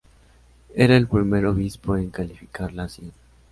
Era el primer obispo en calificarla así.